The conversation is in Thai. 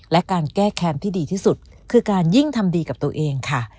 และการแก้แคมป์ที่ดีที่สุดคือการยิ่งทำดีกับตัวเองค่ะ